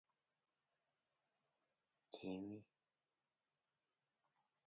She is a graduate of Miami University in Oxford, Ohio.